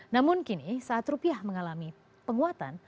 namun kini saat rupiah mengalami penguatan